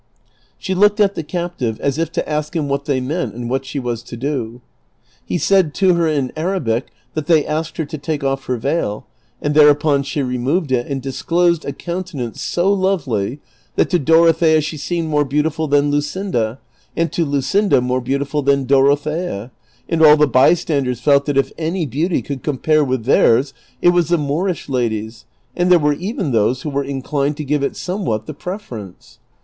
She looked at the captive as if to ask him what they meant and what she was to do. He said to her in Arabic that they asked her to take off her veil, and thereupon she removed it and disclosed a countenance so lovely, that to Doro thea she seemed more beautiful than Luscinda, and to Luscinda more beautiful than Dorothea, and all the by standers felt that if any beauty could compare with theirs it was the Moorish lady's, and there were even those who were inclined to give it somewhat CHAPTER XXXVII. 323 the preferei^ce.